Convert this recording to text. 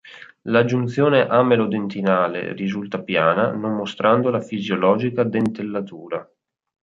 La giunzione amelo-dentinale risulta piana, non mostrando la fisiologica dentellatura.